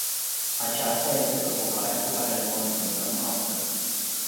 Aceasta este provocarea cu care ne confruntăm astăzi.